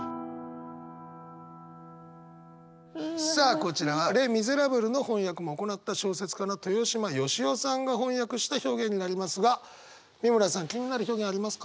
こちらは「レ・ミゼラブル」の翻訳も行った小説家の豊島与志雄さんが翻訳した表現になりますが美村さん気になる表現ありますか？